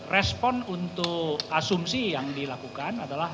respon untuk asumsi yang dilakukan adalah